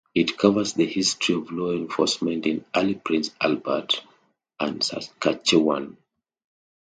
It covers the history of law enforcement in early Prince Albert and Saskatchewan.